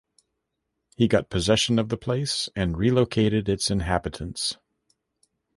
He got possession of the place and relocated its inhabitants.